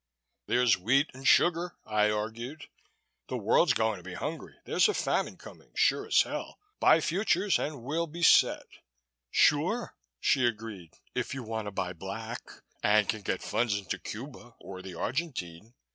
"There's wheat and sugar," I argued. "The world's going to be hungry. There's a famine coming sure as hell. Buy futures and we'll be set." "Sure," she agreed, "if you want to buy Black and can get funds into Cuba or the Argentine.